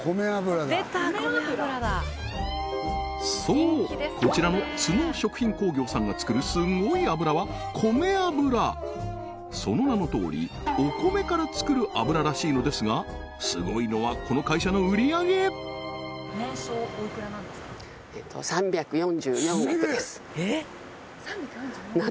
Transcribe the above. そうこちらの築野食品工業さんがつくるすごい油はこめ油その名のとおりお米からつくる油らしいのですがすごいのはこの会社の売上げ３４４億！？